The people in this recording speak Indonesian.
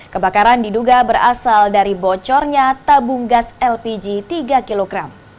kebakaran diduga berasal dari bocornya tabung gas lpg tiga kg